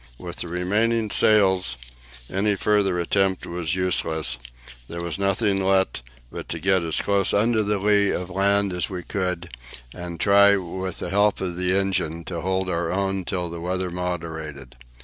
With the remaining sails any further attempt was useless; there was nothing left but to get as close under the lee of the land as we could and try with the help of the engine to hold our own till the weather moderated.